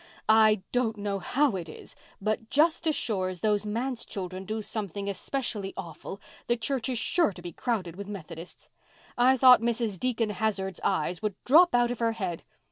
"I don't know how it is, but just as sure as those manse children do something especially awful the church is sure to be crowded with Methodists. I thought Mrs. Deacon Hazard's eyes would drop out of her head.